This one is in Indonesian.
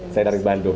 saya dari bandung